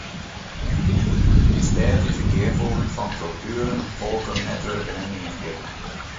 In stêd is in gearfoeging fan kultueren, folken, netwurken en mienskippen.